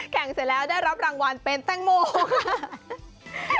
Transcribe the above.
เสร็จแล้วได้รับรางวัลเป็นแตงโมค่ะ